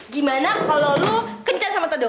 gimana kalo lu kencan sama toto